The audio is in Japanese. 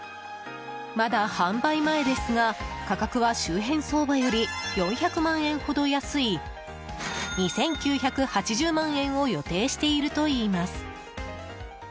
まだ販売前ですが価格は周辺相場より４００万円ほど安い２９８０万円を予定しているといいます。